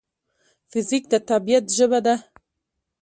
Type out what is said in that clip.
فزیک د طبیعت ژبه ده.